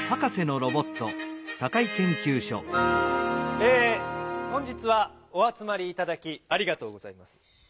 え本日はおあつまりいただきありがとうございます。